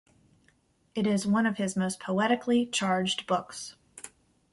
It is one of his most poetically charged books.